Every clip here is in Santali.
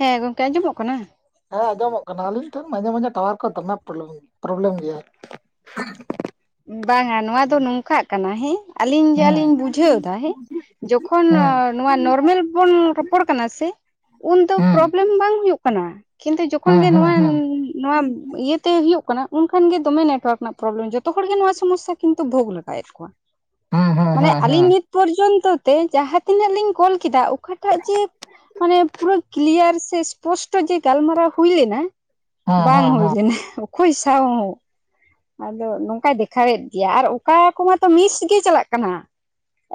ᱦᱮᱸ ᱜᱚᱝᱠᱮ ᱟᱸᱡᱚᱢᱚᱜ ᱠᱟᱱᱟ? ᱦᱮᱸ ᱟᱸᱡᱚᱢᱚᱜ ᱠᱟᱱᱟ ᱟᱹᱞᱤᱧ ᱴᱷᱮᱱ ᱢᱟᱡᱷᱮ ᱢᱟᱡᱷᱮ ᱴᱟᱣᱟᱨ ᱠᱚ ᱫᱚᱢᱮ ᱯᱨᱚᱞᱚᱝ ᱯᱨᱚᱵᱞᱮᱢ ᱜᱮᱭᱟ᱾ ᱵᱟᱝᱟ ᱱᱚᱣᱟ ᱫᱚ ᱱᱚᱝᱠᱟᱜ ᱠᱟᱱᱟ ᱦᱮᱸ ᱟᱞᱤᱧ ᱡᱟ ᱦᱮᱸ ᱞᱤᱧ ᱵᱩᱡᱷᱟᱹᱣ ᱮᱫᱟ ᱦᱮᱸ, ᱡᱚᱠᱷᱚᱱ ᱦᱮᱸ ᱱᱚᱣᱟ ᱱᱚᱨᱢᱮᱞ ᱵᱚᱱ ᱨᱚᱯᱚᱲ ᱠᱟᱱᱟ ᱥᱮ, ᱩᱱᱫᱚ ᱦᱮᱸ ᱯᱨᱚᱵᱞᱮᱢ ᱵᱟᱝ ᱦᱩᱭᱩᱜ ᱠᱟᱱᱟ, ᱠᱤᱱᱛᱩ ᱡᱚᱠᱷᱚᱱ ᱦᱮᱸ ᱜᱮ ᱦᱮᱸ ᱱᱚᱣᱟ ᱦᱮᱸ ᱦᱮᱸ ᱱᱚᱣᱟ ᱤᱭᱟᱹᱛᱮ ᱦᱳᱭᱳᱜ ᱠᱟᱱᱟ ᱩᱱᱠᱷᱟᱱᱜ ᱜᱮ ᱫᱚᱢᱮ ᱱᱮᱴᱣᱟᱨᱠ ᱨᱮᱱᱟᱜ ᱯᱨᱚᱵᱽᱞᱮᱢ, ᱡᱚ ᱛᱚ ᱦᱚᱲ ᱜᱮ ᱱᱚᱣᱟ ᱥᱚᱢᱚᱥᱥᱟ ᱠᱤᱱᱛᱩ ᱵᱷᱳᱜᱽ ᱞᱟᱜᱟᱭᱮᱫ ᱠᱚᱣᱟ ᱦᱮᱸ ᱦᱮᱸ ᱢᱟᱱᱮ ᱦᱮᱸ ᱦᱮᱸ ᱟᱹᱞᱤᱧ ᱦᱮᱸ ᱱᱤᱛ ᱯᱚᱨᱡᱚᱱᱛᱚ ᱛᱮ ᱡᱟᱦᱟᱸ ᱛᱤᱱᱟᱹᱜ ᱞᱤᱧ ᱠᱚᱞ ᱠᱮᱫᱟ ᱚᱠᱟᱴᱟᱜ ᱡᱮ ᱢᱟᱱᱮ ᱯᱩᱨᱟᱹ ᱠᱞᱤᱭᱟᱨ ᱥᱮ ᱥᱯᱚᱥᱴᱚ ᱡᱮ ᱜᱟᱞᱢᱟᱨᱟᱣ ᱦᱩᱭ ᱞᱮᱱᱟ, ᱦᱮᱸ ᱵᱟᱝ ᱦᱩᱭ ᱦᱮᱸ ᱞᱮᱱᱟ ᱚᱠᱚᱭ ᱥᱟᱶ ᱦᱚᱸ, ᱟᱫᱚ ᱱᱚ ᱚᱝᱠᱟᱭ ᱫᱮᱠᱷᱟᱣᱮᱫ ᱜᱮᱭᱟ ᱟᱨ ᱚᱠᱟ ᱠᱚᱢᱟᱛᱚ ᱢᱤᱥ ᱜᱮ ᱪᱟᱞᱟᱜ ᱠᱟᱱᱟ,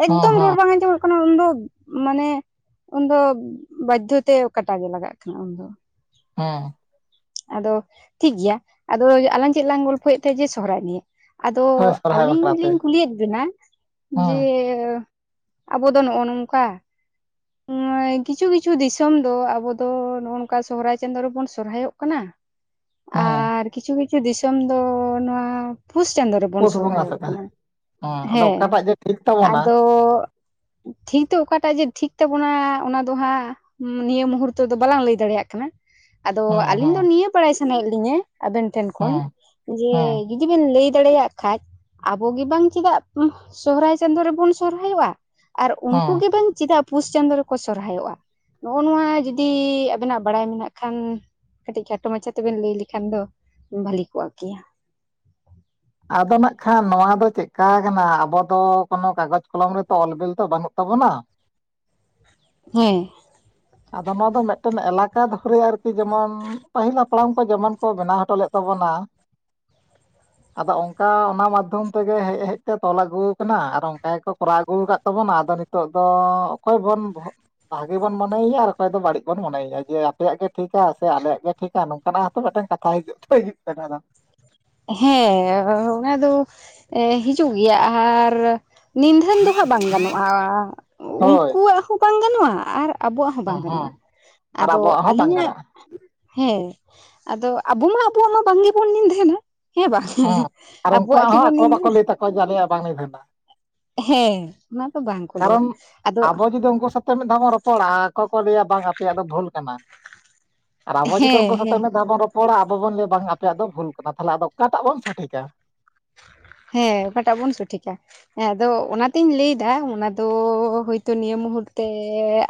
ᱮᱠᱫᱚᱢ ᱦᱮᱸ ᱨᱚᱲ ᱵᱟᱝ ᱟᱸᱡᱚᱢᱜ ᱠᱟᱱᱟ ᱩᱱ ᱫᱚ ᱢᱟᱱᱮ ᱩᱱᱫᱚ ᱵᱟᱫᱽᱫᱷᱚ ᱛᱮ ᱠᱟᱴᱟᱜᱮ ᱞᱟᱜᱟᱜ ᱠᱟᱱᱟ ᱩᱱᱫᱚ᱾ ᱦᱮᱸ᱾ ᱟᱫᱚ ᱴᱷᱤᱠᱜᱮᱭᱟ ᱟᱫᱚ ᱟᱞᱟᱝ ᱪᱮᱫ ᱞᱝ ᱜᱚᱞᱯᱷᱚᱭᱮᱫ ᱛᱟᱦᱮᱸᱫ ᱡᱮ ᱥᱚᱦᱨᱟᱭ ᱱᱤᱭᱮ, ᱟᱫᱚ ᱦᱳᱭ ᱥᱚᱨᱦᱟᱭ ᱟᱹᱞᱤᱧ ᱵᱟᱠᱷᱨᱟᱛᱮ ᱞᱤᱧ ᱠᱩᱞᱤᱭᱮᱫ ᱵᱮᱱᱟ ᱦᱮᱸ ᱡᱮ ᱟᱵᱚ ᱫᱚ ᱱᱚᱜᱼᱚ ᱱᱚᱝᱠᱟ, ᱱᱚᱭ ᱠᱤᱪᱷᱩ ᱠᱤᱪᱷᱩ ᱫᱤᱥᱚᱢ ᱫᱚ ᱟᱵᱚ ᱫᱚ ᱱᱚᱜᱱᱝᱠᱟ ᱥᱚᱦᱚᱨᱟᱭ ᱪᱟᱸᱫᱳ ᱨᱮᱵᱩᱱ ᱥᱚᱦᱚᱨᱟᱭᱚᱜ ᱠᱟᱱᱟ, ᱦᱮᱸ᱾ ᱟᱨ ᱠᱤᱪᱷᱩ ᱠᱤᱪᱷᱩ ᱫᱤᱥᱚᱢ ᱫᱚ ᱱᱚᱣᱟ ᱯᱩᱥ ᱪᱟᱸᱫᱳ ᱨᱮᱵᱚᱱ ᱯᱩᱥ ᱵᱚᱸᱜᱟ ᱥᱚᱦᱨᱟᱭᱚᱜ ᱥᱮᱴᱟ ᱠᱟᱱᱟ ᱟᱫᱚ ᱦᱮᱸ, ᱚᱠᱟᱴᱟᱜ ᱡᱮ ᱴᱷᱤᱠ ᱛᱟᱵᱚᱱᱟ ᱟᱫᱚ ᱴᱷᱤᱠ ᱫᱚ ᱚᱠᱟᱴᱟᱜ ᱡᱮ ᱴᱷᱤᱠ ᱛᱵᱚᱱᱟ ᱚᱱᱟ ᱫᱚ ᱦᱟᱸᱜ ᱱᱤᱭᱟᱹ ᱢᱩᱦᱩᱨᱛᱚ ᱫᱚ ᱵᱟᱞᱟᱝ ᱞᱟᱹᱭ ᱫᱟᱲᱮᱭᱟᱜ ᱠᱟᱱᱟ, ᱟᱫᱚ ᱦᱮᱸ ᱟᱞᱤᱧ ᱦᱮᱸ ᱫᱚ ᱱᱤᱭᱟᱹ ᱵᱟᱲᱟᱭ ᱥᱟᱱᱟᱭᱮᱫ ᱞᱤᱧᱟᱹ ᱟᱵᱮᱱ ᱴᱷᱮᱱ ᱠᱷᱚᱱ ᱦᱮᱸ ᱡᱮ ᱦᱮᱸ ᱡᱩᱫᱤ ᱵᱤᱱ ᱞᱟᱹᱭ ᱫᱟᱲᱮᱭᱟᱜ ᱠᱷᱟᱡ ᱟᱵᱚ ᱜᱮ ᱵᱟᱝ ᱪᱮᱫᱟᱜ ᱥᱚᱦᱚᱨᱟᱭ ᱪᱟᱸᱫᱳ ᱨᱮᱵᱚᱱ ᱥᱚᱦᱚᱨᱟᱭᱚᱜᱼᱟ? ᱟᱨ ᱩᱱᱠᱩ ᱦᱮᱸ ᱜᱮ ᱵᱟᱝ ᱪᱮᱫᱟᱜ ᱯᱩᱥ ᱪᱟᱸᱫᱳ ᱨᱮᱠᱚ ᱥᱚᱨᱦᱟᱭᱚᱜᱼᱟ? ᱱᱚᱜᱼᱚ ᱱᱚᱣᱟ ᱡᱩᱫᱤ ᱟᱵᱮᱱᱟᱜ ᱵᱟᱲᱟᱭ ᱢᱮᱱᱟᱜ ᱠᱷᱟᱱ ᱠᱟᱹᱴᱤᱡ ᱠᱷᱟᱴᱚ ᱢᱟᱪᱷᱟ ᱛᱮᱵᱮᱱ ᱞᱟᱹᱭ ᱞᱮᱠᱷᱟᱱ ᱫᱚ ᱵᱷᱟᱞᱤ ᱠᱚᱜ ᱠᱮᱭᱟ᱾ ᱟᱫᱚ ᱱᱟᱜᱠᱷᱟᱱ ᱱᱚᱣᱟ ᱫᱚ ᱪᱮᱫᱠᱟ ᱠᱟᱱᱟ, ᱟᱵᱚ ᱫᱚ ᱠᱳᱱᱳ ᱠᱟᱜᱚᱡᱽ ᱠᱚᱞᱚᱢ ᱨᱮᱛᱚ ᱚᱞ ᱵᱤᱞ ᱛᱚ ᱵᱟᱹᱱᱩᱜ ᱛᱟᱵᱚᱱᱟ᱾ ᱦᱮᱸ᱾ [inaudible] ᱟᱫᱚ ᱱᱚᱣᱟ ᱫᱚ ᱢᱮᱫᱴᱮᱱ ᱮᱞᱟᱠᱟ ᱫᱷᱚᱨᱮ ᱟᱹᱨᱠᱤ, ᱡᱮᱢᱚᱱ ᱯᱟᱹᱦᱤᱞ ᱦᱟᱯᱲᱟᱢ ᱠᱚ ᱡᱮᱢᱚᱱ ᱠᱚ ᱵᱮᱱᱟᱣ ᱦᱚᱴᱚ ᱞᱮᱫ ᱛᱟᱵᱚᱱᱟ᱾ ᱟᱫᱚ ᱚᱝᱠᱟ ᱚᱱᱟ ᱢᱟᱫᱽᱫᱷᱚᱢ ᱛᱮᱜᱮ ᱦᱮᱡ ᱦᱮᱡ ᱛᱮ ᱛᱚᱞ ᱟᱹᱜᱩ ᱟᱠᱟᱱᱟ ᱟᱨ ᱚᱝᱠᱟ ᱜᱮᱠᱚ ᱠᱚᱨᱟᱣ ᱟᱹᱜᱩ ᱟᱠᱟᱫ ᱛᱟᱵᱚᱱᱟ᱾ ᱟᱫᱚ ᱱᱤ ᱱᱤᱛᱚᱜ ᱫᱚ ᱚᱠᱚᱭ ᱵᱚᱱ ᱵᱚᱦᱚᱜ ᱵᱷᱟᱹᱜᱤ ᱵᱚᱱ ᱢᱚᱱᱮᱭ ᱮᱭᱟ ᱟᱨ ᱚᱠᱚᱭ ᱫᱚ ᱵᱟᱹᱲᱤᱡ ᱵᱚᱱ ᱢᱚᱱᱮᱭᱮᱭᱟ? ᱡᱮ ᱟᱯᱮᱭᱟᱜ ᱜᱮ ᱴᱷᱤᱠᱟ ᱥᱮ ᱟᱞᱮᱭᱟᱜ ᱜᱮ ᱴᱷᱤᱠᱟ, ᱱᱚᱝᱠᱟᱱᱟᱜ ᱦᱚᱛᱚ ᱢᱤᱫᱴᱟᱝ ᱠᱟᱛᱷᱟ ᱦᱤᱡᱩᱜ ᱛᱚ ᱦᱩᱭᱩᱜ ᱠᱟᱱᱟ ᱛᱚ᱾ ᱦᱮᱸ ᱚᱱᱟ ᱫᱚ ᱦᱤᱡᱩᱜ ᱜᱮᱭᱟ ᱟᱨ ᱱᱤᱫᱷᱟᱹᱱ ᱫᱚ ᱦᱟᱸᱜ ᱵᱟᱝ ᱜᱟᱱᱚᱜᱼᱟ, ᱦᱳᱭ ᱩᱱᱠᱩᱣᱟᱜ ᱦᱚᱸ ᱵᱟᱝ ᱜᱟᱱᱚᱜᱼᱟ ᱟᱨ ᱟᱵᱚᱣᱟᱜ ᱦᱚᱸ ᱦᱮᱸ ᱵᱟᱝ ᱜᱟᱱᱚᱜᱼᱟ ᱦᱮᱸ ᱟᱨ ᱟᱫᱚ ᱟᱵᱚᱣᱟᱜ ᱦᱚᱸ ᱵᱟᱝ ᱟᱹᱞᱤᱧᱟᱜ ᱜᱟᱱᱚᱜᱼᱟ ᱦᱮᱸ, ᱟᱫᱚ ᱟᱵᱚ ᱢᱟ ᱟᱵᱚᱣᱟᱜ ᱢᱟ ᱵᱟᱝ ᱜᱮᱵᱚᱱ ᱧᱤᱱᱫᱷᱟᱹᱱᱟ᱾ ᱦᱮᱸ ᱟᱨ ᱩᱝᱠᱩᱣᱟᱜ ᱦᱚᱸ ᱟᱠᱚ ᱵᱟᱠᱚ ᱱᱤᱫᱷᱟᱹᱱᱟ ᱞᱟᱹᱭ ᱛᱟᱠᱚᱣᱟ ᱡᱮ ᱟᱞᱮᱭᱟᱜ ᱵᱟᱝᱞᱮ ᱱᱤᱫᱷᱟ. ᱱᱟ᱾ ᱦᱮᱸ ᱚᱱᱟ ᱫᱚ ᱵᱟᱝ ᱠᱚ ᱞᱟᱹᱭᱟ, ᱟᱫᱚ ᱠᱩ ᱜᱟᱝᱠᱚ ᱥᱟ ᱛᱚ ᱢᱤᱫᱷᱟᱣ ᱵᱚᱱ ᱨᱚᱯᱚᱲᱟ, ᱟᱠᱚ ᱠᱚ ᱞᱟᱹᱭᱟ ᱵᱟᱝ ᱟᱯᱮᱭᱟᱜ ᱫᱚ ᱵᱷᱩᱞ ᱠᱟᱱᱟ᱾ ᱟᱨ ᱟᱵᱚ ᱡᱩᱫᱤ ᱦᱮᱸ ᱩᱱᱠᱩ ᱥᱟᱛᱮᱜ ᱦᱮᱸ ᱢᱮᱱ ᱫᱷᱟᱣ ᱟᱵᱚᱵᱚᱱ ᱞᱟᱹᱭᱟ ᱵᱟᱝ ᱟᱯᱮᱭᱟᱜ ᱫᱚ ᱵᱷᱩᱞ ᱠᱟᱱᱟ, ᱛᱟᱦᱚᱞᱮ ᱟᱫᱚ ᱚᱠᱟᱴᱟᱜ ᱵᱚᱱ ᱥᱚᱴᱷᱤᱠᱟ? ᱦᱮᱸ, ᱚᱠᱟᱴᱟᱜ ᱵᱚᱱ ᱥᱚᱴᱷᱤᱠᱟ? ᱦᱮᱸ, ᱟᱫᱚ ᱚᱱᱟᱛᱤᱧ ᱞᱟᱹᱭ ᱮᱫᱟ, ᱚᱱᱟ ᱫᱚ ᱦᱚᱭᱼᱛᱚ ᱱᱤᱭᱟᱹ ᱢᱩᱦᱩᱨ ᱛᱮ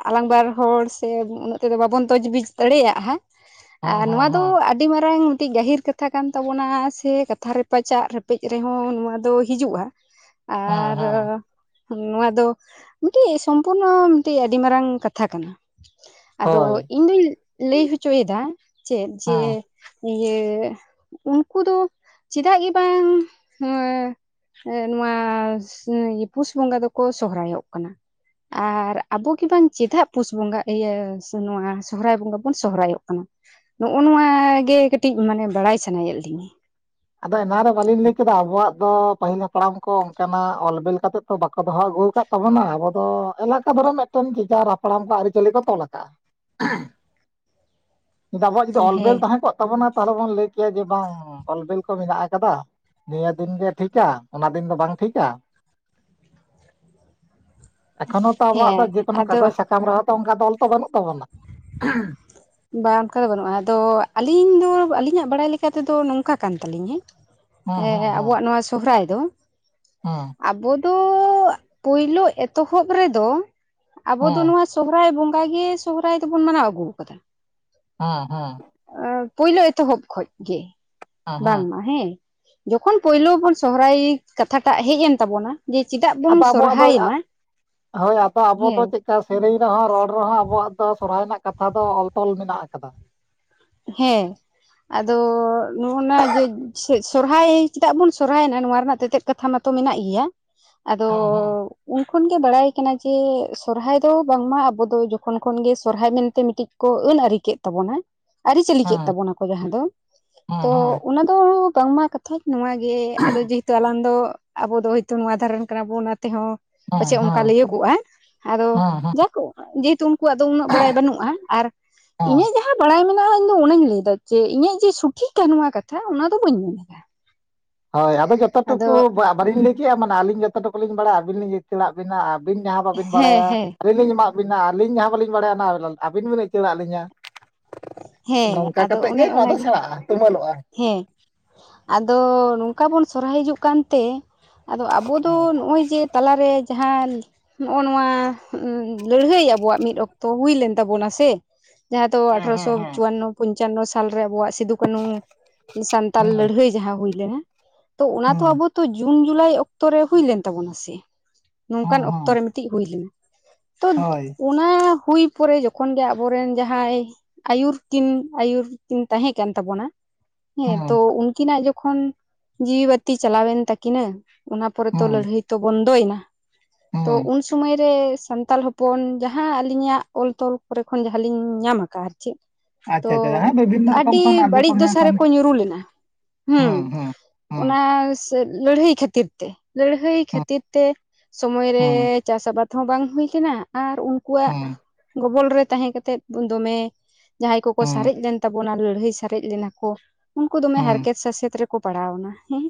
ᱟᱞᱟᱝ ᱵᱟᱨ ᱦᱚᱲ ᱥᱮ ᱩᱱᱟᱹᱜ ᱛᱮᱫᱚ ᱵᱟᱵᱚᱱ ᱛᱚᱡᱽ ᱵᱤᱡ ᱫᱟᱲᱮᱭᱟᱜᱼᱟ, ᱦᱮᱸ ᱟᱨ ᱦᱮᱸ ᱱᱚᱣᱟ ᱫᱚ ᱦᱮᱸ ᱟᱹᱰᱼᱼ ᱟᱹᱰᱤ ᱢᱟᱨᱟᱝ ᱢᱤᱫᱴᱤᱡ ᱜᱟᱹᱦᱤᱨ ᱠᱟᱛᱷᱟ ᱠᱟᱱ ᱛᱟᱵᱚᱱᱟ ᱥᱮ ᱠᱟᱛᱷᱟ ᱨᱮᱯᱟᱪᱟᱜ ᱨᱮᱯᱮᱡ ᱛᱮᱦᱚᱸ ᱱᱚᱣᱟ ᱫᱚ ᱦᱤᱡᱩᱜᱼᱟ ᱦᱮᱸ ᱟᱨ ᱦᱮᱸ ᱱᱚᱣᱟ ᱫᱚ ᱢᱤᱫᱴᱤᱡ ᱥᱚᱢᱯᱩᱨᱱᱚ ᱢᱤᱫᱴᱮᱱ ᱟᱹᱰᱤ ᱢᱟᱨᱟᱝ ᱠᱟᱛᱷᱟ ᱠᱟᱱᱟ᱾ ᱟᱫᱚ ᱦᱳᱭ ᱤᱧ ᱫᱩᱧ ᱞᱟᱹᱭ ᱦᱚᱪᱚᱭ ᱮᱫᱟ ᱪᱮᱫ ᱡᱮ ᱦᱮᱸ ᱤᱭᱟᱹ ᱩᱱᱠᱩ ᱫᱚ ᱪᱮᱫᱟᱜ ᱜᱮ ᱵᱟᱝ ᱦᱮᱸ ᱱᱚᱣᱟ ᱯᱩᱥ ᱵᱚᱸᱜᱟ ᱫᱚᱠᱚ ᱥᱚᱦᱨᱟᱭᱚᱜ ᱠᱟᱱᱟ? ᱟᱨ ᱟᱵᱚ ᱜᱮ ᱵᱟᱝ ᱪᱮᱫᱟᱜ ᱯᱩᱥ ᱵᱚᱸᱜᱟ ᱤᱭᱟᱹ ᱱᱚᱣᱟ ᱥᱚᱦᱨᱟᱭ ᱵᱚᱸᱜᱟ ᱵᱚᱱ ᱥᱚᱦᱚᱨᱟᱭᱚᱜ ᱠᱟᱱᱟ? ᱱᱚᱜᱼᱚᱭ ᱱᱚᱣᱟ ᱜᱮ ᱠᱟᱹᱴᱤᱡ ᱢᱟᱱᱮ ᱵᱟᱲᱟᱭ ᱥᱟᱱᱟᱭᱮᱫ ᱞᱤᱧᱟᱹ? ᱟᱫᱚ ᱮᱱᱟ ᱨᱮ ᱵᱟᱹᱞᱤᱧ ᱞᱟᱹᱭ ᱠᱮᱫᱟ, ᱟᱵᱚᱣᱟᱜ ᱫᱚ ᱯᱟᱹᱦᱤᱞ ᱦᱟᱯᱲᱟᱢ ᱦᱟᱯᱲᱟᱢ ᱠᱚ ᱚᱱᱠᱟᱱᱟᱜ ᱚᱞ ᱵᱤᱞ ᱠᱟᱛᱮ ᱛᱚ, ᱵᱟᱠᱚ ᱫᱚᱦᱚ ᱟᱹᱜᱩ ᱟᱠᱟᱫ ᱛᱟᱵᱚᱱᱟ᱾ ᱟᱵᱚ ᱫᱚ ᱮᱞᱟᱠᱟ ᱫᱷᱚᱨᱮ ᱢᱤᱫᱴᱟᱝ ᱢᱤᱫᱴᱟᱝ ᱡᱮ-ᱡᱟᱦᱟᱨ ᱦᱟᱯᱲᱟᱢ ᱠᱚ ᱟᱹᱨᱤᱪᱟᱹᱞᱤ ᱠᱚ ᱛᱚᱞ ᱟᱠᱟᱫᱼᱟ᱾ ᱟᱵᱚᱣᱟᱜ ᱡᱩᱫᱤ ᱚᱞ-ᱵᱤᱞ ᱦᱮᱸ ᱛᱟᱦᱮᱸ ᱠᱚᱜ ᱛᱟᱵᱚᱱᱟ᱾ ᱛᱟᱦᱚᱞᱮ ᱵᱚᱱ ᱞᱟᱹᱭ ᱠᱮᱭᱟ ᱡᱮ ᱵᱟᱝ ᱚᱞ-ᱵᱤᱞ ᱠᱚ ᱢᱮᱱᱟᱜ ᱟᱠᱟᱫᱟ᱾ ᱱᱤᱭᱟᱹ ᱫᱤᱱ ᱜᱮ ᱴᱷᱤᱠᱟ ᱚᱱᱟ ᱫᱤᱱ ᱫᱚ ᱵᱟᱝ ᱴᱷᱤᱠᱟ? ᱮᱠᱷᱚᱱᱳ ᱛᱚ ᱟᱵᱚᱣᱟᱜ ᱦᱮᱸ ᱫᱚ ᱡᱮᱠᱚᱱᱳ ᱟᱫᱚ ᱠᱟᱜᱚᱡᱽ ᱥᱟᱠᱟᱢ ᱨᱮ ᱦᱚᱸᱛᱚ ᱚᱱᱠᱟ ᱚᱞ ᱛᱚ ᱵᱟᱹᱱᱩᱜ ᱛᱟᱵᱚᱱᱟ᱾ ᱵᱟ ᱚᱱᱠᱟ ᱫᱚ ᱵᱟᱹᱱᱩᱜᱼᱟ ᱟᱫᱚ ᱟᱹᱞᱤᱧ ᱫᱚ ᱟᱹᱞᱤᱧᱟᱜ ᱵᱟᱲᱟᱭ ᱞᱮᱠᱟᱛᱮᱫᱚ ᱱᱚᱝᱠᱟ ᱠᱟᱱ ᱛᱟᱞᱤᱧ ᱦᱮᱸ ᱦᱮᱸ ᱮᱸ ᱟᱵᱚᱣᱟᱜ ᱱᱚᱣᱟ ᱥᱚᱦᱨᱟᱭ ᱫᱚ ᱦᱩᱸ᱾ ᱟᱵᱚ ᱫᱚ ᱯᱳᱭᱞᱳ ᱮᱛᱚᱦᱚᱵ ᱨᱮᱫᱚ ᱟᱵᱚ ᱫᱚ ᱦᱮᱸ ᱱᱚᱣᱟ ᱥᱚᱦᱨᱟᱭ ᱵᱚᱸᱜᱟ ᱜᱮ ᱥᱚᱦᱨᱟᱭ ᱫᱚᱵᱚᱱ ᱢᱟᱱᱟᱣ ᱟᱹᱜᱩ ᱟᱠᱟᱫᱟ᱾ ᱦᱮᱸ ᱦᱮᱸ᱾ ᱯᱳᱭᱞᱳ ᱮᱛᱚᱦᱚᱵ ᱠᱷᱚᱱ ᱜᱮ ᱵᱟᱝ ᱢᱟ ᱦᱮᱸ ᱡᱚᱠᱷᱚᱱ ᱯᱳᱭᱞᱳ ᱵᱚᱱ ᱥᱚᱦᱨᱟᱭ ᱠᱟᱛᱷᱟᱴᱟᱜ ᱦᱮᱡ ᱮᱱ ᱛᱟᱵᱚᱱᱟ᱾ ᱡᱮ ᱪᱮᱫᱟᱜ ᱵᱚᱱ ᱟᱫᱚ ᱟᱵᱚᱣᱟᱜ ᱫᱚ ᱥᱚᱨᱦᱟᱭᱮᱱᱟ ᱟᱜ ᱦᱳᱭ ᱟᱫᱚ ᱟᱵᱚ ᱫᱚ ᱦᱮᱸ ᱪᱮᱫ ᱠᱟ ᱥᱮᱨᱮᱧ ᱨᱮᱦᱚᱸ ᱨᱚᱲ ᱨᱮᱦᱚᱸ ᱟᱵᱚᱣᱟᱜ ᱫᱚ ᱥᱚᱨᱦᱟᱭ ᱨᱮᱱᱟᱜ ᱠᱟᱛᱷᱟ ᱫᱚ ᱚᱞ ᱛᱚᱞ ᱢᱮᱱᱟᱜ ᱟᱠᱟᱫᱟ᱾ ᱦᱮᱸ᱾ ᱟᱫᱚ ᱱᱚᱜᱼᱚ ᱱᱟ ᱡᱮ ᱥᱚᱨᱦᱟᱭ ᱪᱮᱫᱟᱜ ᱵᱚᱱ ᱥᱚᱨᱦᱟᱭᱮᱱᱟ ᱱᱚᱣᱟ ᱨᱮᱱᱟᱜ ᱛᱮᱛᱮᱫ ᱠᱟᱛᱷᱟ ᱢᱟᱛᱚ ᱢᱮᱱᱟᱜ ᱜᱮᱭᱟ ᱟᱫᱚ ᱦᱮᱸ ᱦᱮᱸ ᱩᱱ ᱠᱷᱚᱱ ᱜᱮ ᱵᱟᱲᱟᱭ ᱟᱠᱟᱱᱟ ᱡᱮ ᱥᱚᱨᱦᱟᱭ ᱫᱚ ᱵᱟᱝᱢᱟ ᱟᱵᱚ ᱫᱚ ᱡᱚᱠᱷᱚᱱ ᱠᱷᱚᱱᱜᱮ ᱥᱚᱨᱦᱟᱭ ᱢᱮᱱᱛᱮ ᱢᱤᱫᱴᱤᱡ ᱠᱚ ᱟᱹᱱ ᱟᱹᱨᱤ ᱠᱮᱫ ᱛᱟᱵᱚᱱᱟ ᱟᱹᱨᱤᱪᱟᱹᱞᱤ ᱠᱮᱫ ᱦᱮᱸ ᱛᱟᱵᱚᱱᱟ ᱠᱚ ᱡᱟᱦᱟᱸ ᱫᱚ ᱦᱮᱸ ᱛᱚ ᱦᱮᱸ ᱚᱱᱟ ᱫᱚ ᱵᱟᱝᱢᱟ ᱠᱟ ᱛᱷᱟᱡ ᱱᱚᱣᱟ ᱜᱮ ᱟᱫᱚ ᱡᱮᱦᱮᱛᱩ ᱟᱞᱟᱝ ᱫᱚ ᱟᱵᱚ ᱫᱚ ᱦᱚᱭᱛᱳ ᱱᱚᱣᱟ ᱫᱷᱟᱨᱮ ᱨᱮᱱ ᱠᱟᱱᱟ ᱵᱚᱱ ᱚᱱᱟ ᱛᱮᱦᱚᱸ ᱦᱮᱸ ᱯᱟᱪᱷᱮᱫ ᱚᱱᱠᱟ ᱦᱮᱸ ᱞᱟᱹᱭᱟᱹᱜᱚᱜᱼᱟ ᱟᱫᱚ ᱦᱮᱸ ᱦᱮᱸ ᱡᱟᱠ ᱡᱮᱦᱮᱛᱩ ᱠᱩᱣᱟᱜ ᱫᱚ ᱩᱱᱟᱹᱜ ᱵᱟᱲᱟᱭ ᱵᱟᱹᱱᱩᱜᱼᱟ ᱟᱨ ᱦᱮᱸ ᱤᱧᱟᱹᱜ ᱡᱟᱦᱟᱸ ᱵᱟᱲᱟᱭ ᱢᱮ ᱚᱱᱟ ᱤᱧ ᱫᱚ ᱚᱱᱟᱧ ᱞᱟᱹᱭ ᱮᱫᱟ ᱡᱮ ᱤᱧᱟᱹᱜ ᱡᱮ ᱥᱚᱴᱷᱤᱠᱟ ᱱᱚᱣᱟ ᱠᱟᱛᱷᱟ ᱚᱱᱟ ᱫᱚ ᱵᱟᱹᱧ ᱢᱮᱱ ᱮᱫᱟ᱾ ᱦᱳᱭ ᱟᱫᱚ ᱡᱚᱛᱚ ᱴᱩᱠᱩ ᱵᱟᱞᱤᱧ ᱞᱟᱹᱭ ᱠᱮᱫᱮᱜᱼᱟ ᱢᱟᱱᱮ ᱟᱹᱞᱤᱧ ᱡᱚᱛᱚ ᱴᱩᱠᱩ ᱞᱤᱧ ᱵᱟᱲᱟᱭᱟ ᱟᱹᱵᱤᱱ ᱞᱤᱧ ᱟᱹᱪᱟᱹᱲᱟᱜ ᱵᱮᱱᱟ ᱟᱨ ᱟᱹᱵᱤᱱ ᱡᱟᱦᱟᱸ ᱵᱟᱹᱵᱤᱱ ᱦᱮᱸ ᱵᱟᱲᱟᱭᱟ ᱦᱮᱸ ᱟᱹᱞᱤᱧ ᱞᱤᱧ ᱮᱢᱟᱫ ᱵᱤᱱᱟ ᱟᱹᱞᱤᱧ ᱡᱟᱦᱟᱸ ᱵᱟᱹᱞᱤᱧ ᱵᱟᱲᱟᱭᱟ ᱚᱱᱟ ᱟᱹᱵᱤᱱ ᱵᱤᱱ ᱟᱹᱪᱟᱹᱲᱟᱜ ᱞᱤᱧᱟᱹ᱾ ᱦᱮᱸ ᱱᱚᱝᱠᱟ ᱟᱫᱚ ᱠᱟᱛᱮᱫ ᱜᱮ ᱚᱱᱮ ᱱᱚᱣᱟ ᱫᱚ ᱚᱱᱟᱜᱮ ᱥᱮᱬᱟᱜᱼᱟ ᱛᱩᱢᱟᱹᱞᱚᱜᱼᱟ᱾ ᱦᱮᱸ ᱟᱫᱚ ᱱᱚᱝᱠᱟ ᱵᱚᱱ ᱥᱚᱨᱦᱟᱭ ᱦᱤᱡᱩᱜ ᱠᱟᱱᱛᱮ ᱟᱫᱚ ᱟᱵᱚ ᱫᱚ ᱦᱮᱸ ᱱᱚᱜᱼᱚᱭ ᱡᱮ ᱛᱟᱞᱟᱨᱮ ᱡᱟᱦᱟᱸᱱ ᱱᱚᱜ-ᱚ ᱱᱚᱣᱟ ᱞᱟᱹᱲᱦᱟᱹᱭ ᱟᱵᱚᱣᱟᱜ ᱢᱤᱫ ᱚᱠᱛᱚ ᱦᱩᱭᱞᱮᱱ ᱛᱟᱵᱚᱱᱟ ᱥᱮ᱾ ᱡᱟᱦᱟᱸ ᱫᱚ ᱦᱮᱸ ᱦᱮᱸ ᱟᱴᱷᱨᱚᱥᱚ ᱦᱮᱸ ᱪᱩᱣᱟᱱᱱᱚ ᱯᱚᱧᱪᱟᱱᱱᱚ ᱥᱟᱞᱨᱮ ᱟᱵᱚᱣᱟᱜ ᱥᱤᱫᱩ ᱠᱟᱹᱱᱩ ᱥᱟᱱᱛᱟᱞ ᱦᱮᱸ ᱞᱟᱹᱲᱦᱟᱹᱭ ᱡᱟᱦᱟᱸ ᱦᱩᱭ ᱞᱮᱱᱟ ᱛᱚ ᱚᱱᱟ ᱛᱚ ᱦᱮᱸ ᱟᱵᱚ ᱛᱚ ᱡᱩᱱ ᱡᱩᱞᱟᱭ ᱚᱠᱛᱚᱨᱮ ᱦᱩᱭ ᱞᱮᱱ ᱛᱟᱵᱚᱱᱟ ᱥᱮ, ᱦᱮᱸ ᱱᱚᱝᱠᱟᱱ ᱦᱮᱸ ᱚᱠᱛᱚᱨ ᱨᱮ ᱢᱤᱫᱴᱮᱱ ᱦᱩᱭ ᱞᱮᱱᱟ᱾ ᱛᱚ ᱦᱳᱭ ᱚᱱᱟ ᱦᱩᱭ ᱯᱚᱨᱮ ᱡᱚᱠᱷᱚᱱ ᱜᱮ ᱟᱵᱚᱨᱮᱱ ᱡᱟᱦᱟᱸᱭ ᱟᱹᱭᱩᱨ ᱠᱤᱱ ᱟᱹᱭᱩᱨ ᱠᱤᱱ ᱛᱟᱦᱮᱸ ᱠᱟᱱ ᱛᱟᱵᱚᱱᱟ ᱦᱮᱸ ᱛᱚ ᱩᱱᱠᱤᱱᱟᱜ ᱡᱚᱠᱷᱚᱱ ᱡᱤᱣᱤ ᱵᱟᱛᱤ ᱪᱟᱞᱟᱣᱮᱱ ᱛᱟᱠᱤᱱᱟᱹ ᱚᱱᱟ ᱯᱚᱨᱮ ᱛᱚ ᱦᱮᱸ ᱞᱟᱹᱲᱦᱟᱹᱭ ᱛᱚ ᱵᱚᱱᱫᱚᱭᱮᱱᱟ᱾ ᱛᱚ ᱦᱮᱸ ᱩᱱ ᱥᱚᱢᱚᱭ ᱨᱮ ᱥᱟᱱᱛᱟᱞ ᱦᱚ ᱯᱚᱱ ᱡᱟᱦᱟᱸ ᱟᱹᱞᱤᱧᱟᱜ ᱚᱞ ᱛᱚᱞ ᱠᱚᱨᱮ ᱠᱷᱚᱱ ᱡᱟᱦᱟᱸᱞᱤᱧ ᱧᱟᱢ ᱠᱟᱜᱼᱟ ᱟᱨ ᱪᱮᱫ᱾ ᱛᱚ ᱟᱪᱪᱷᱟ ᱟᱪᱪᱷᱟ ᱦᱮᱸ ᱵᱤᱵᱷᱤᱱᱱᱚ ᱨᱚᱠᱚᱢ ᱟᱹᱰᱤ ᱠᱷᱚᱱ ᱵᱟᱹᱲᱤᱡ ᱨᱚᱠᱚᱢ ᱧᱮᱞ ᱫᱚᱥᱟ ᱠᱚᱢ ᱨᱮᱠᱚ ᱧᱩᱨᱩ ᱞᱮᱱᱟ᱾ ᱦᱩᱸ ᱢᱟᱱᱮ ᱚᱱᱟ ᱥᱮ ᱞᱟᱹᱲᱦᱟᱹᱭ ᱠᱷᱟᱹᱛᱤᱨ ᱛᱮ ᱞᱟᱹᱲᱦᱟᱹᱭ ᱠᱷᱟᱹᱛᱤᱨ ᱛᱮ ᱥᱚᱢᱚᱭ ᱨᱮ ᱪᱟᱥ ᱟᱵᱟᱫ ᱦᱚᱸ ᱵᱟᱝ ᱦᱩᱭ ᱠᱟᱱᱟ ᱟᱨ ᱩᱱᱠᱩᱣᱟᱜ ᱜᱚᱵᱚᱞ ᱨᱮ ᱛᱟᱦᱮᱸ ᱠᱟᱛᱮᱫ ᱫᱚᱢᱮ ᱡᱟᱦᱟᱸᱭ ᱠᱚᱠᱚ ᱥᱟᱨᱮᱡ ᱞᱮᱱ ᱛᱟᱵᱚᱱᱟ ᱞᱟᱹᱲᱦᱟᱹᱭ ᱥᱟᱨᱮᱡ ᱞᱮᱱᱟ ᱠᱚ ᱩᱱᱠᱩ ᱫᱚᱢᱮ ᱦᱟᱨᱠᱮᱛ ᱥᱟᱥᱮᱛ ᱨᱮᱠᱚ ᱠᱚ ᱯᱟᱲᱟᱣ ᱮᱱᱟ ᱦᱮᱸ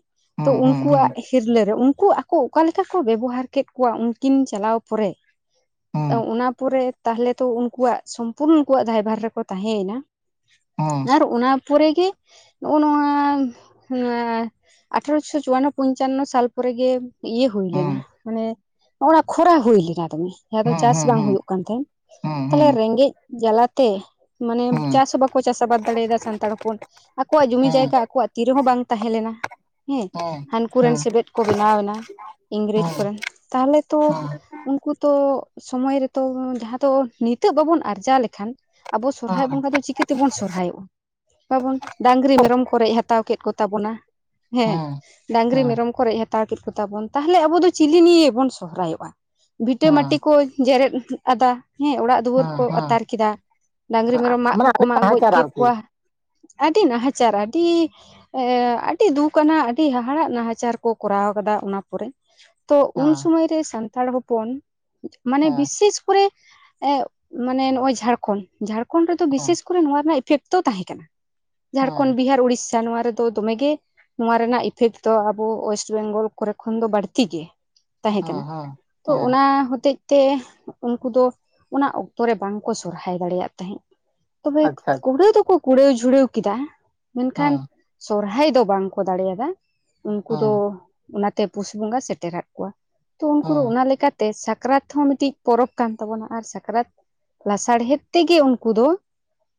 ᱛᱚ ᱩᱱᱠᱩᱣᱟᱜ ᱦᱤᱨᱞᱟᱹ ᱨᱮ ᱩᱱᱠᱩ ᱟᱠᱚ ᱚᱠᱟ ᱞᱮᱠᱟ ᱠᱚ ᱵᱮᱵᱚᱦᱟᱨ ᱠᱮᱫ ᱠᱚᱣᱟ ᱩᱱᱠᱤᱱ ᱪᱟᱞᱟᱣ ᱯᱚᱨᱮ᱾ ᱚᱱᱟ ᱯᱚᱨᱮ ᱛᱟᱦᱞᱮ ᱛᱚ ᱩᱱᱠᱩᱣᱟᱜ ᱥᱚᱢᱯᱩᱨᱱᱚ ᱩᱱᱠᱩᱣᱟᱜ ᱫᱟᱭᱵᱷᱟᱨ ᱨᱮᱠᱚ ᱛᱟᱦᱮᱸᱭᱮᱱᱟ᱾ ᱟᱨ ᱚᱱᱟ ᱯᱚᱨᱮ ᱜᱮ ᱱᱚᱜᱼᱚ ᱱᱚᱣᱟ ᱟ ᱟᱴᱷᱟᱨᱚᱥᱚ ᱪᱩᱣᱟᱱᱱᱚ ᱯᱚᱧᱪᱟᱱᱱᱚ ᱥᱟᱞ ᱯᱚᱨ ᱜᱮ ᱤᱭᱟᱹ ᱦᱩᱭ ᱞᱮᱱᱟ ᱢᱟᱱᱮ ᱱᱚᱜ-ᱚᱱᱟ ᱠᱷᱚᱨᱟ ᱦᱩᱭ ᱞᱮᱱᱟ ᱫᱚᱢᱮ ᱡᱟᱦᱟᱸ ᱫᱚ ᱪᱟᱥ ᱵᱟᱝ ᱦᱩᱭᱩᱜ ᱠᱟᱱ ᱛᱟᱦᱮᱸᱫ, ᱛᱟᱦᱚᱞᱮ ᱨᱮᱸᱜᱮᱡ ᱡᱟᱞᱟ ᱛᱮ ᱢᱟᱱᱮ ᱪᱟᱥ ᱵᱟᱠ ᱠᱚ ᱪᱟᱥ ᱟᱵᱟᱫ ᱫᱟᱲᱮᱭᱟᱫᱟ ᱥᱟᱱᱛᱟᱲ ᱦᱚᱯᱚᱱ ᱟᱠᱚᱣᱟᱜ ᱡᱩᱢᱤ ᱡᱟᱭᱜᱟ ᱟᱠᱚᱣᱟᱜ ᱛᱤ ᱨᱮᱦᱚᱸ ᱵᱟᱝ ᱛᱟᱦᱮᱸ ᱞᱮᱱᱟ। ᱦᱮᱸ ᱦᱟᱱᱠᱩ ᱨᱮᱱ ᱥᱮᱵᱮᱫ ᱠᱚ ᱵᱮᱱᱟᱣ ᱮᱱᱟ ᱤᱝᱨᱮᱡᱽ ᱠᱚᱨᱮᱱ ᱛᱟᱦᱚᱞᱮ ᱛᱚ ᱩᱱᱠᱩ ᱛᱚ ᱥᱚᱢᱚᱭ ᱨᱮᱛᱚ ᱡᱟᱦᱟᱸ ᱫᱚ ᱱᱤᱛᱚᱜ ᱵᱟᱵᱚᱱ ᱟᱨᱡᱟᱣ ᱞᱮᱠᱷᱟᱱ ᱟᱵᱚ ᱥᱚᱨᱦᱟᱭ ᱵᱚᱸᱜᱟ ᱫᱚ ᱪᱤᱠᱟᱹᱛᱮᱵᱩᱱ ᱥᱚᱨᱦᱟᱭᱚᱜᱼᱟ। ᱵᱟᱵᱚᱱ ᱰᱟᱝᱨᱤ ᱢᱮᱨᱚᱢ ᱠᱚ ᱨᱮᱡ ᱦᱟᱛᱟᱣ ᱠᱮᱫ ᱠᱚ ᱛᱟᱵᱚᱱᱟ, ᱦᱮᱸ। ᱰᱟᱝᱨᱤ ᱢᱮᱨᱚᱢ ᱠᱚ ᱨᱮᱡ ᱦᱟᱛᱟᱣ ᱠᱮᱫ ᱠᱚᱛᱟ ᱵᱚᱱ, ᱛᱟᱦᱚᱞᱮ ᱟᱵᱚ ᱫᱚ ᱪᱤᱞᱤ ᱱᱤᱭᱮ ᱵᱚᱱ ᱥᱚᱦᱨᱟᱭᱚᱜᱼᱟ। ᱵᱷᱤᱴᱟᱹ ᱢᱟᱹᱴᱤ ᱠᱚ ᱡᱮᱨᱮᱫ ᱟᱫᱟ ᱦᱮᱸ ᱚᱲᱟᱜ ᱫᱩᱣᱟᱹᱨ ᱠᱚ ᱟᱛᱟᱨ ᱠᱮᱫᱟ। ᱰᱟᱹᱝᱨᱤ ᱢᱮᱨᱚᱢ ᱢᱟᱜ ᱠᱚᱠᱚ ᱟᱹᱰᱤ ᱢᱟᱜ ᱜᱚᱡ ᱱᱟᱦᱟᱪᱟᱨ ᱠᱮᱫ ᱟᱨᱠᱤ ᱠᱚᱣᱟ ᱟᱹᱰᱤ ᱱᱟᱦᱟᱪᱟᱨ ᱟᱹᱰᱤ ᱮ ᱟᱹᱰᱤ ᱫᱩᱠ ᱟᱱᱟᱜ ᱟᱹᱰᱤ ᱦᱟᱦᱟᱲᱟᱜ ᱱᱟᱦᱟᱪᱟᱨ ᱠᱚ ᱠᱚᱨᱟᱣ ᱟᱠᱟᱫᱟ ᱚᱱᱟ ᱯᱚᱨᱮ। ᱛᱚ ᱩᱱ ᱦᱮᱸ ᱥᱚᱢᱚᱭ ᱨᱮ ᱥᱟᱱᱛᱟᱲ ᱦᱚᱯᱚᱱ ᱢᱟᱱᱮ ᱦᱮᱸ ᱵᱤᱥᱮᱥ ᱠᱚᱨᱮ ᱮᱫ ᱢᱟᱱᱮ ᱱᱚᱜ-ᱚᱭ ᱡᱷᱟᱲᱠᱷᱚᱸᱰ ᱡᱷᱟᱲᱠᱷᱚᱱᱰ ᱨᱮᱫᱚ ᱦᱮᱸ ᱵᱤᱥᱮᱥ ᱠᱚᱨᱮ ᱱᱚᱣᱟ ᱨᱮᱱᱟᱜ ᱤᱯᱷᱮᱠᱴ ᱫᱚ ᱛᱟᱦᱮᱸ ᱠᱟᱱᱟ, ᱦᱮᱸ ᱡᱷᱟᱲᱠᱷᱚᱸᱰ, ᱵᱤᱦᱟᱨ ᱩᱲᱤᱥᱥᱟ, ᱱᱚᱣᱟ ᱨᱮᱫᱚ ᱫᱚᱢᱮ ᱜᱮ। ᱱᱚᱣᱟ ᱨᱮᱱᱟᱜ ᱤᱯᱷᱮᱠᱴ ᱫᱚ ᱟᱵᱚ ᱚᱭᱮᱥᱴ ᱵᱮᱝᱜᱚᱞ ᱠᱚᱨᱮ ᱠᱷᱚᱱ ᱫᱚ ᱵᱟᱹᱲᱛᱤ ᱜᱮ। ᱛᱟᱦᱮᱸ ᱠᱟᱱᱟ। ᱦᱮᱸ ᱦᱮᱸ ᱛᱚ ᱦᱮᱸ ᱚᱱᱟ ᱦᱚᱛᱮᱡ ᱛᱮ ᱩᱱᱠᱩ ᱫᱚ ᱚᱱᱟ ᱚᱠᱛᱚ ᱨᱮ ᱵᱟᱝᱠᱚ ᱥᱚᱨᱦᱟᱭ ᱫᱟᱲᱮᱭᱟᱜ ᱛᱟᱦᱮᱸᱫ। ᱛᱚᱵᱮ ᱟᱪᱪᱷᱟ ᱠᱩᱲᱟᱹᱣ ᱫᱚᱠᱚ ᱠᱩᱲᱟᱹᱣ ᱡᱷᱩᱲᱟᱹᱣ ᱠᱮᱫᱟ ᱢᱮᱱᱠᱷᱟᱱ ᱦᱮᱸ ᱥᱚᱨᱦᱟᱭ ᱫᱚ ᱵᱟᱝᱠᱚ ᱫᱟᱲᱮᱭᱟ‌ ᱫᱟ ᱦᱮᱸ ᱩᱱᱠᱩ ᱫᱚ ᱦᱮᱸ ᱚᱱᱟᱛᱮ ᱯᱩᱥ ᱵᱚᱸᱜᱟ ᱥᱮᱴᱮᱨᱟᱫ ᱠᱚᱣᱟ, ᱛᱚ ᱩᱱᱠᱩ ᱫᱚ ᱚᱱᱟ ᱞᱮᱠᱟᱛᱮ ᱛᱮ ᱥᱟᱠᱨᱟᱛ ᱦᱚᱸ ᱢᱤᱫᱴᱮᱱ ᱯᱚᱨᱚᱵᱽ ᱠᱟᱱ ᱛᱟᱵᱚᱱᱟ ᱟᱨ ᱥᱟᱠᱨᱟᱛ ᱞᱟᱥᱟᱲᱦᱮᱫ ᱛᱮ ᱛᱮᱜᱮ ᱩᱱᱠᱩ ᱫᱚ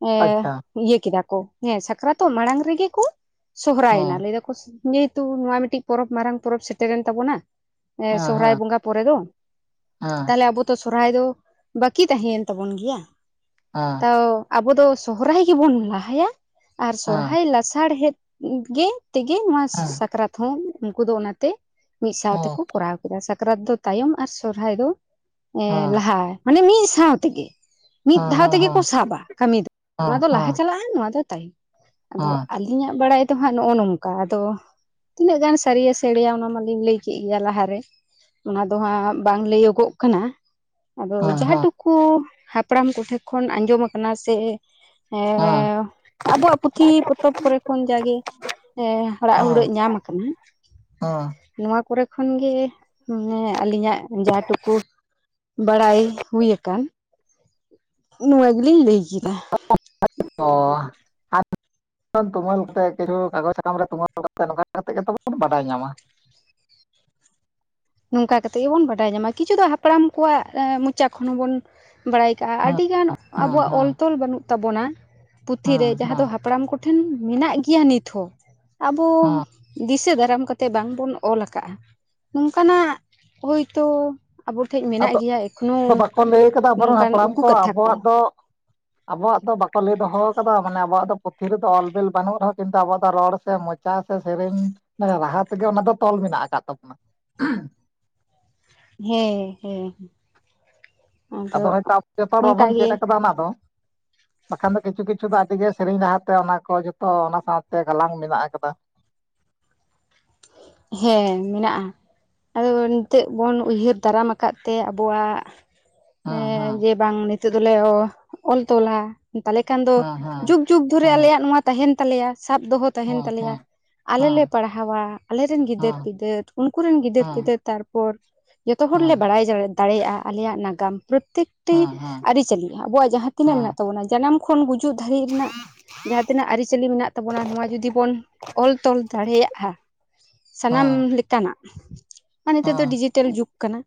ᱮ ᱟᱪᱪᱷᱟ ᱤᱭᱟᱹ ᱠᱮᱫᱟ ᱠᱚ। ᱦᱮᱸ ᱥᱟᱠᱨᱟᱛᱚᱜ ᱢᱟᱲᱟᱝ ᱨᱮᱜᱮ ᱠᱚ ᱥᱚᱦᱚᱨᱟᱭ ᱱᱟ ᱦᱮᱸ ᱦᱮᱸ ᱦᱮᱸ ᱦᱮᱸ ᱦᱮᱸ ᱞᱟᱹᱭ ᱫᱟᱠᱚ [unintelligible] ᱡᱮᱦᱮᱛᱩ ᱱᱚᱣᱟ ᱢᱤᱴᱤᱡ ᱯᱚᱨᱚᱵ ᱢᱟᱨᱟᱝ ᱯᱚᱨᱚᱵ ᱥᱮᱴᱮᱨᱮᱱ ᱛᱟᱵᱚᱱᱟ ᱥᱚᱦᱨᱟᱭ ᱵᱚᱸᱜᱟ ᱯᱚᱨᱮ ᱫᱚ ᱛᱟᱦᱚᱞᱮ ᱟᱵᱚ ᱛᱚ ᱥᱚᱨᱦᱟᱭ ᱫᱚ ᱵᱟᱠᱤ ᱛᱟᱦᱮᱸᱭᱮᱱ ᱛᱟᱵᱚᱱ ᱜᱮᱭᱟ। ᱟ ᱚᱸ ᱟᱵᱚ ᱫᱚ ᱥᱚᱦᱚᱨᱟᱭ ᱜᱮᱵᱚᱱ ᱞᱟᱦᱟᱭᱟ ᱟᱨ ᱥᱚᱨᱦᱟᱭ ᱞᱟᱥᱟᱲᱦᱮᱫ ᱜᱮ ᱛᱮᱜᱮ ᱱᱚᱣᱟ ᱦᱮᱸ ᱦᱮᱸ ᱦᱮᱸ ᱥᱟᱠᱨᱟᱛ ᱦᱚᱸ ᱩᱱᱠᱩ ᱫᱚ ᱚᱱᱟᱛᱮ ᱢᱤᱫ ᱥᱟᱶ ᱛᱮᱠᱚ ᱠᱚᱨᱟᱣ ᱠᱮᱫᱟ। ᱥᱟᱠᱨᱟᱛ ᱫᱚ ᱛᱟᱭᱚᱢ ᱟᱨ ᱥᱚᱨᱦᱟᱭ ᱫᱚ ᱮ ᱞᱟᱦᱟ, ᱢᱟᱱᱮ ᱢᱤᱫ ᱥᱟᱶ ᱛᱮᱜᱮ ᱢᱤᱫ ᱫᱷᱟᱣ ᱦᱮᱸ ᱛᱮᱜᱮ ᱠᱚ ᱦᱮᱸ ᱦᱮᱸ ᱦᱮᱸ ᱥᱟᱵᱟ ᱠᱟᱹᱢᱤ ᱫᱚ, ᱱᱚᱣᱟ ᱫᱚ ᱦᱮᱸ ᱞᱟᱦᱟ ᱪᱟᱞᱟᱜᱼᱟ ᱱᱚᱣᱟ ᱫᱚ ᱛᱟᱭᱚᱢ ᱟᱫᱚ ᱦᱮᱸ ᱟᱞᱮ ᱤᱧᱟᱹᱜ ᱵᱟᱲᱟᱭ ᱫᱚ ᱦᱟᱸᱜ ᱱᱚᱜᱼᱚ ᱱᱚᱝᱠᱟ ᱟᱫᱚ ᱛᱤᱱᱟᱹᱜ ᱜᱟᱱ ᱥᱟᱹᱨᱤᱭᱟ ᱥᱮ ᱮᱲᱮᱭᱟ ᱚᱱᱟ ᱢᱟᱞᱤᱧ ᱞᱟᱹᱭ ᱠᱮᱫ ᱜᱮᱭᱟ ᱞᱟᱦᱟᱨᱮ ᱚᱱᱟ ᱫᱚ ᱦᱟᱸᱜ ᱵᱟᱝ ᱞᱟᱹᱭᱚᱜᱚᱜ ᱠᱟᱱᱟ ᱟᱫᱚ ᱦᱮᱸ ᱡᱟᱦᱟ ᱦᱮᱸ ᱴᱩᱠᱩ ᱦᱟᱯᱲᱟᱢ ᱠᱚᱴᱷᱮᱱ ᱠᱷᱚᱱ ᱟᱸᱡᱚᱢ ᱟᱠᱟᱱᱟ ᱥᱮ ᱮ ᱦᱮᱸ ᱟᱵᱚᱣᱟᱜ ᱯᱩᱛᱷᱤ ᱯᱚᱛᱚᱵ ᱠᱚᱨᱮ ᱠᱷᱚᱱ ᱡᱟᱜᱮ ᱦᱟᱲᱟᱜ ᱦᱩᱲᱟᱹᱜ ᱧᱟᱢ ᱟᱠᱟᱱᱟ। ᱚ। ᱱᱚᱣᱟ ᱠᱚᱨᱮ ᱠᱷᱚᱱᱜᱮ ᱢᱟᱱᱮ ᱟᱹᱞᱤᱧᱟᱜ ᱡᱟ ᱴᱩᱠᱩ ᱵᱟᱲᱟᱭ ᱦᱩᱭ ᱟᱠᱟᱱ ᱱᱚᱣᱟ ᱜᱮᱞᱤᱧ ᱞᱟᱹᱭ ᱠᱮᱫᱟ। [unintelligible] ᱛᱩᱢᱟᱹᱞ ᱠᱟᱛᱮ ᱠᱤᱪᱷᱩ, ᱠᱟᱜᱚᱡᱽ ᱥᱟᱠᱟᱢ ᱨᱮ ᱛᱩᱢᱟᱹᱞ ᱠᱟᱛᱮ ᱱᱚᱝᱠᱟ ᱠᱟᱛᱮ ᱜᱮ ᱛᱚ ᱵᱚᱱ ᱵᱟᱰᱟᱭ ᱧᱟᱢᱟ। ᱱᱚᱝᱠᱟ ᱠᱟᱛᱮᱫ ᱜᱮᱵᱚᱱ ᱵᱟᱰᱟᱭ ᱧᱟᱢᱟ। ᱠᱤᱪᱷᱩ ᱫᱚ ᱦᱟᱯᱲᱟᱢ ᱠᱚᱣᱟᱜ ᱢᱚᱪᱟ ᱠᱷᱚᱱ ᱦᱚᱸᱵᱚᱱ ᱵᱟᱲᱟᱭ ᱠᱟᱜᱼᱟ, ᱦᱮᱸ ᱟᱹᱰᱤᱜᱟᱱ ᱦᱮᱸ ᱟᱵᱚᱣᱟᱜ ᱦᱮᱸ ᱚᱞ ᱛᱚᱞ ᱵᱟᱹᱱᱩᱜ ᱛᱟᱵᱚᱱᱟ। ᱦᱮᱸ ᱯᱩᱛᱷᱤᱨᱮ ᱡᱟᱦᱟᱸ ᱦᱮᱸ ᱫᱚ ᱦᱟᱯᱲᱟᱢ ᱠᱚᱴᱷᱮᱱ ᱢᱮᱱᱟᱜ ᱜᱮᱭᱟ ᱱᱤᱛ ᱦᱚᱸ ᱟᱵᱚ ᱦᱮᱸ ᱫᱤᱥᱟᱹ ᱫᱟᱨᱟᱢ ᱠᱟᱛᱮᱫ ᱵᱟᱝᱵᱚᱱ ᱚᱞ ᱟᱠᱟᱫᱼᱟ। ᱚᱱᱠᱟᱱᱟᱜ ᱦᱳᱭ ᱛᱳ ᱟᱵᱚᱴᱷᱮᱡ ᱢᱮᱱᱟᱜ ᱟᱫᱚ ᱜᱮᱭᱟ ᱮᱠᱷᱚᱱᱚ ᱟᱫᱚ ᱵᱟᱠᱚ ᱞᱟᱹᱭ ᱠᱟᱫᱟ ᱟᱵᱚᱨᱮᱱ ᱱᱚᱝᱠᱟᱱ ᱦᱟᱯᱲᱟᱢ ᱩᱠᱩ ᱠᱟᱛᱷᱟ ᱠᱚ। ᱟᱵᱚᱣᱟᱜ ᱫᱚ ᱟᱵᱚᱣᱟᱜ ᱫᱚ ᱵᱟᱠᱚ ᱞᱟᱹᱭ ᱫᱚᱦᱚ ᱟᱠᱟᱫᱟ ᱢᱟᱱᱮ ᱟᱵᱚᱣᱟᱜ ᱫᱚ ᱯᱩᱛᱷᱤ ᱨᱮᱫᱚ ᱚᱞ-ᱵᱤᱞ ᱵᱟᱹᱱᱩᱜ ᱨᱮᱦᱚᱸ ᱠᱤᱱᱛᱩ ᱟᱵᱚᱣᱟᱜ ᱫᱚ ᱨᱚᱲ ᱥᱮ ᱢᱚᱪ ᱪᱟ ᱥᱮ ᱥᱮᱨᱮᱧ ᱢᱟᱱᱮ ᱨᱟᱦᱟ ᱛᱮᱜᱮ ᱚᱱᱟ ᱫᱚ ᱛᱚᱞ ᱢᱮᱱᱟᱜ ᱟᱠᱟᱫ ᱛᱟᱵᱚᱱᱟ ᱦᱮᱸ ᱦᱮᱸ ᱟᱫᱚ ᱦᱚᱭ‌ ᱛᱳ [unintelligible] ᱡᱚᱛᱚ ᱦᱚᱲ ᱵᱟᱵᱚᱱ ᱪᱮᱫ ᱚᱱᱠᱟᱜᱮ ᱠᱟᱫᱟ ᱚᱱᱟ ᱫᱚ ᱵᱟᱠᱷᱟᱱ ᱫᱚ ᱠᱤᱪᱷᱩ ᱠᱤᱪᱷᱩ ᱫᱚ ᱟᱹᱰᱤ ᱜᱮ ᱥᱮᱨᱮᱧ ᱨᱟᱦᱟᱛᱮ ᱚᱱᱟ ᱠᱚ ᱡᱚᱛᱚ ᱚᱱᱟ ᱥᱟᱶᱛᱮ ᱜᱟᱞᱟᱝ ᱢᱮᱱᱟᱜ ᱟᱠᱟᱫᱟ ᱦᱮᱸ ᱢᱮᱱᱟᱜ-ᱟ ᱾ ᱟᱫᱚ ᱱᱤᱛᱚᱜ ᱵᱚᱱ ᱩᱭᱦᱟᱹᱨ ᱫᱟᱨᱟᱢ ᱟᱠᱟᱫ ᱛᱮ ᱟᱵᱚᱣᱟᱜ ᱦᱮᱸ ᱮᱸ ᱦᱮᱸ ᱡᱮ ᱵᱟᱝ ᱱᱤᱛᱚᱜ ᱫᱚᱞᱮ ᱚᱞ ᱛᱚᱞᱟ ᱾ ᱛᱟᱦᱞᱮ ᱠᱷᱟᱱ ᱫᱚ ᱦᱮᱸ ᱦᱮᱸ ᱡᱩᱜᱽ ᱡᱩᱜᱽ ᱦᱳᱭ ᱫᱷᱚᱨᱮ ᱟᱞᱮᱭᱟᱜ ᱱᱚᱣᱟ ᱛᱟᱦᱮᱱ ᱛᱟᱞᱮᱭᱟ, ᱥᱟᱵ ᱫᱚᱦᱚ ᱛᱟᱦᱮᱱ ᱛᱟᱞᱮᱭᱟ ᱟᱞᱮ ᱞᱮ ᱯᱟᱲᱦᱟᱣᱟ ᱾ ᱟᱞᱮ ᱨᱮᱱ ᱜᱤᱫᱟᱹᱨ ᱯᱤᱫᱟᱹᱨ, ᱩᱱᱠᱩ ᱨᱮᱱ ᱜᱤᱫᱟᱹᱨ ᱯᱤᱫᱟᱹᱨ ᱛᱟᱨᱯᱚᱨ ᱡᱚᱛᱚ ᱦᱚᱲ ᱞᱮ ᱵᱟᱲᱟᱭ ᱫᱟᱲᱮᱭᱟᱜ-ᱟ ᱟᱞᱮᱭᱟᱜ ᱱᱟᱜᱟᱢ ᱾ ᱯᱨᱚᱛᱛᱮᱠ ᱴᱤ ᱟᱹᱨᱤᱪᱟᱹᱞᱤ ᱟᱵᱚᱣᱟᱜ ᱡᱟᱦᱟᱸ ᱛᱤᱱᱟᱹᱜ ᱢᱮᱱᱟᱜ ᱛᱟᱵᱚᱱᱟ ᱡᱟᱱᱟᱢ ᱠᱷᱚᱱ ᱜᱩᱡᱩᱜ ᱫᱷᱟᱹᱨᱤᱡ ᱨᱮᱱᱟᱜ ᱡᱟᱦᱟᱸ ᱛᱤᱱᱟᱹᱜ ᱟᱹᱨᱤᱪᱟᱹᱞᱤ ᱢᱮᱱᱟᱜ ᱛᱟᱵᱚᱱᱟ ᱱᱚᱣᱟ ᱡᱩᱫᱤ ᱵᱚᱱ ᱚᱞ ᱛᱚᱞ ᱫᱟᱲᱮᱭᱟᱜ-ᱟ [inaudible] ᱥᱟᱱᱟᱢ ᱞᱮᱠᱟᱱᱟᱜ [inaudible] ᱟᱨ ᱱᱤᱛᱳᱜ ᱫᱚ ᱰᱤᱡᱤᱴᱮᱞ ᱡᱩᱜᱽ ᱠᱟᱱᱟ,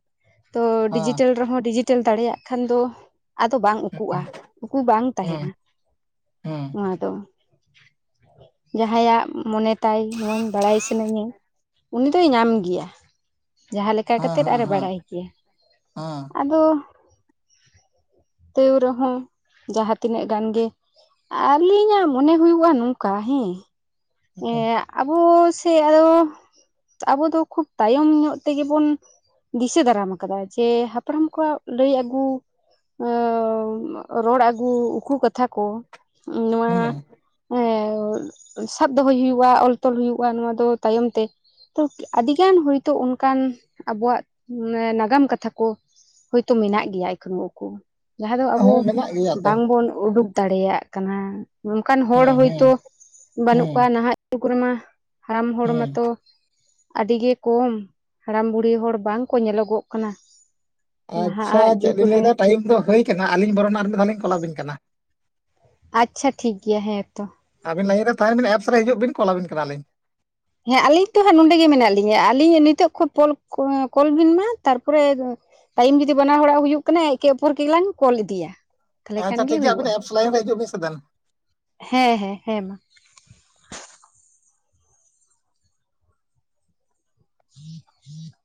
ᱛᱚ ᱰᱤᱡᱤᱴᱮᱞ ᱨᱮᱦᱚᱸ ᱰᱤᱡᱤᱴᱮᱞ ᱫᱟᱲᱮᱭᱟᱜ ᱠᱷᱟᱱ ᱫᱚ ᱟᱫᱚ ᱵᱟᱝ ᱩᱠᱩᱜ-ᱟ, ᱩᱠᱩ ᱵᱟᱝ ᱛᱟᱦᱮᱱᱟ ᱱᱚᱣᱟ ᱫᱚ ᱾ [inaudible] ᱡᱟᱦᱟᱸᱭᱟᱜ ᱢᱚᱱᱮ ᱛᱟᱭ ᱱᱚᱣᱟᱧ ᱵᱟᱲᱟᱭ ᱥ ᱟᱹᱱᱟᱹᱧᱟ ᱩᱱᱤ ᱫᱚᱭ ᱧᱟᱢ ᱜᱮᱭᱟ ᱡᱟᱦᱟᱸ ᱞᱮᱠᱟ ᱠᱟᱛᱮᱜ ᱟᱨᱮ ᱵᱟᱲᱟᱭ ᱜᱮᱭᱟ ᱾ ᱟᱫᱚ [inaudible] ᱛᱟᱹᱣ ᱨᱮᱦᱚᱸ ᱡᱟᱦᱟᱸ ᱛᱤᱱᱟᱹᱜ ᱜᱟᱱ ᱜᱮ ᱟᱹᱞᱤᱧᱟᱜ ᱢᱚᱱᱮ ᱦᱩᱭᱩᱜ-ᱟ ᱱᱚᱝᱠᱟ ᱦᱮᱸ ᱮᱸ ᱟᱵᱚ ᱥᱮ ᱟᱫᱚ [inaudible] ᱟᱵᱚ ᱫᱚ ᱠᱷᱩᱵ ᱛᱟᱭᱚᱢ ᱧᱚᱜ ᱛᱮᱜᱮ ᱵᱚᱱ ᱫᱤᱥᱟᱹ ᱫᱟᱨᱟᱢ ᱟᱠᱟᱫᱟ ᱡᱮ ᱦᱟᱯᱲᱟᱢ ᱠᱚᱣᱟᱜ ᱞᱟᱹᱭ ᱟᱹᱜᱩ ᱟᱻ ᱨᱚᱲ ᱟᱹᱜᱩ ᱩᱠᱩ ᱠᱟᱛᱷᱟ ᱠᱚ ᱦᱮᱸ ᱾ ᱮᱸ ᱥᱟᱵ ᱫᱚᱦᱚᱭ ᱦᱩᱭᱩᱜ-ᱟ, ᱚᱞ ᱛᱚᱞ ᱦᱩᱭᱩᱜ-ᱟ ᱱᱚᱣᱟ ᱫᱚ ᱛᱟᱭᱚᱢ ᱛᱮ ᱛᱚ ᱟᱹᱰᱤᱜᱟᱱ ᱦᱳᱭ ᱛᱳ ᱚᱱᱠᱟᱱ ᱟᱵᱚᱣᱟᱜ ᱱᱟᱜᱟᱢ ᱠᱟᱛᱷᱟ ᱠᱚ ᱦᱳᱭ ᱛᱳ ᱢᱮᱱᱟᱜ ᱜᱮᱭᱟ ᱮᱠᱷᱚᱱᱳ ᱩᱠᱩ ᱾ ᱡᱟᱦᱟᱸ ᱫᱚ ᱟᱵᱚ ᱢᱮᱱᱟᱜ ᱜᱮᱭᱟ ᱛᱚ ᱵᱟᱝᱵᱚᱱ ᱩᱰᱩᱠ ᱫᱟᱲᱮᱭᱟᱜ ᱠᱟᱱᱟ ᱾ ᱱᱚᱝᱠᱟᱱ ᱦᱚᱲ ᱦᱮᱸ ᱦᱮᱸ ᱦᱳᱭᱛᱳ ᱵᱟᱹᱱᱩᱜ ᱦᱮᱸ ᱠᱚᱣᱟ ᱱᱟᱦᱟᱜ ᱡᱩᱜᱽ ᱨᱮ ᱢᱟ ᱦᱟᱲᱟᱢ ᱦᱚᱲ ᱦᱮᱸ ᱢᱟᱛᱚ ᱟᱹᱰᱤ ᱜᱮ ᱠᱚᱢ ᱦᱟᱲᱟᱢ ᱵᱩᱲᱦᱤ ᱦᱚᱲ ᱵᱟᱝ ᱠᱚ ᱧᱮᱞᱚᱜᱚᱜ ᱠᱟᱱᱟ ᱾ ᱟᱪᱪᱷᱟ ᱪᱮᱫ ᱞᱤᱧ ᱞᱟᱹᱭ ᱮᱫᱟ ᱴᱟᱭᱤᱢ ᱫᱚ ᱦᱩᱭ ᱟᱠᱟᱱᱟ, ᱟᱹᱞᱤᱧ ᱵᱚᱨᱚᱚᱱ ᱟᱨ ᱢᱤᱫ ᱫᱷᱟᱣ ᱞᱤᱧ ᱠᱚᱞ ᱟᱵᱤᱱ ᱠᱟᱱᱟ ᱾ ᱟᱪᱪᱷᱟ ᱴᱷᱤᱠ ᱜᱮᱭᱟ, ᱦᱮᱸ ᱛᱚ ᱾ ᱟᱹᱵᱤᱱ ᱞᱟᱭᱤᱱ ᱨᱮ ᱛᱟᱦᱮᱱ ᱵᱤᱱ ᱮᱯᱥ ᱨᱮ ᱦᱤᱡᱩᱜ ᱵᱤᱱ ᱠᱚᱞ ᱟᱵᱤᱱ ᱠᱟᱱᱟᱞᱤᱧ ᱾ ᱦᱮᱸ ᱟᱹᱞᱤᱧ ᱛᱚ ᱦᱟᱸᱜ ᱱᱚᱰᱮ ᱜᱮ ᱢᱮᱱᱟᱜ ᱞᱤᱧᱟᱹ, ᱟᱹᱞᱤᱧ ᱱᱤᱛᱚᱜ ᱠᱷᱚᱡ ᱯᱚᱞ ᱠᱚᱞ ᱵᱤᱱ ᱢᱟ ᱛᱟᱨᱯᱚᱨᱮ ᱴᱟᱭᱤᱢ ᱡᱩᱫᱤ ᱵᱟᱱᱟ ᱦᱚᱲᱟᱜ ᱦᱩᱭᱩᱜ ᱠᱟᱱᱟ ᱮᱠᱮ ᱚᱯᱚᱨᱠᱮ ᱜᱮᱞᱟᱝ ᱠᱚᱞ ᱤᱫᱤᱭᱟ ᱾ ᱟᱪᱪᱷᱟ ᱴᱷᱤᱠ ᱜᱮᱭᱟ ᱟᱹᱵᱤᱱ ᱮᱯᱥ ᱞᱟᱭᱤᱱ ᱨᱮ ᱦᱤᱡᱩᱜ ᱵᱤᱱ ᱥᱮ ᱫᱮᱱ ᱾ ᱦᱮᱸ ᱦᱮᱸ ᱦᱮᱸ ᱢᱟ ᱾ [inaudible]